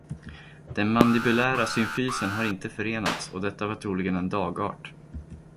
Den mandibulära symfysen har inte förenats och detta var troligen en dagart.